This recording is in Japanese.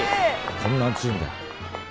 こんな暑いんだ。